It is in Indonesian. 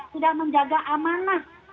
tidak menjaga amanah